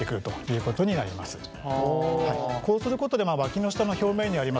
こうすることでわきの下の表面にあります